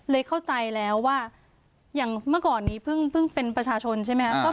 เข้าใจแล้วว่าอย่างเมื่อก่อนนี้เพิ่งเป็นประชาชนใช่ไหมครับ